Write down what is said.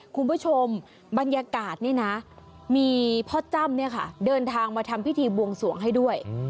คุณผู้ชมบรรยากาศนี่นะมีพ่อจ้ำเนี่ยค่ะเดินทางมาทำพิธีบวงสวงให้ด้วย